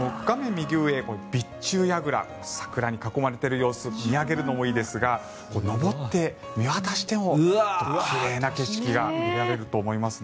右上、備中櫓桜に囲まれている様子見上げるのもいいですが上って見渡しても奇麗な景色が見られると思いますね。